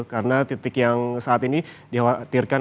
karena titik yang saat ini dikhawatirkan